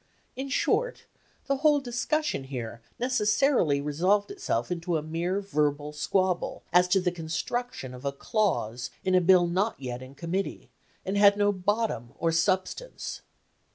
In short, the whole discussion here necessarily resolved itself into a mere verbal squabble as to the construction of a clause in a Bill not yet in Committee, and had no bottom or substance.